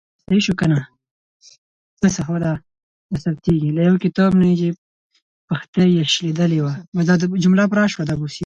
له یو کتاب نه یې چې پښتۍ یې شلیدلې وه.